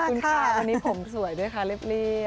คุณค่ะวันนี้ผมสวยด้วยค่ะเรียบ